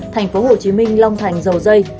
thành phố hồ chí minh long thành dầu dây